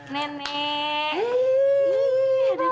tante duduk aja